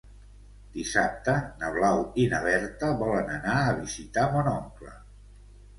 Dissabte na Blau i na Berta volen anar a visitar mon oncle.